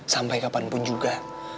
sampai kapanpun juga